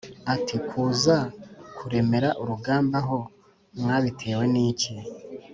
ati “Kuza kuremera urugamba aho mwabitewe n’iki?